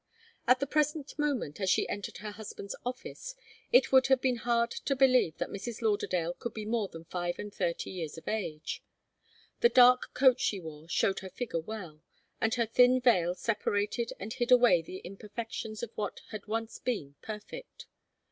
At the present moment, as she entered her husband's office, it would have been hard to believe that Mrs. Lauderdale could be more than five and thirty years of age. The dark coat she wore showed her figure well, and her thin veil separated and hid away the imperfections of what had once been perfect.